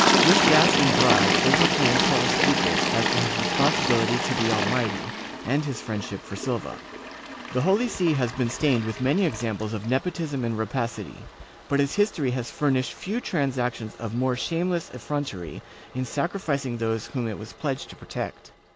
^ This dazzling bribe overcame Paul's scruples as to his responsibility to the Almighty and his friendship for Silva. The Holy See has been stained with many examples of nepotism and rapacity, but its history has furnished few transactions of more shameless effrontery in sacri ficing those whom it was pledged to protect.